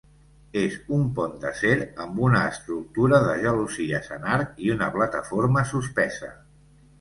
És un pont d"acer amb una estructura de gelosies en arc i una plataforma suspesa.